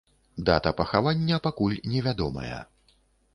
Дата пахавання пакуль невядомая.